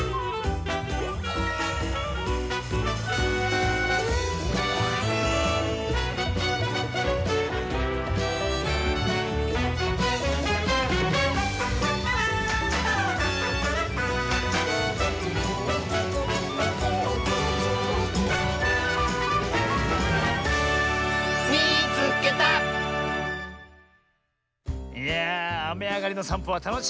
いやああめあがりのさんぽはたのしいねコッシーねえ。